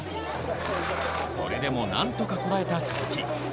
それでも何とかこらえた鈴木。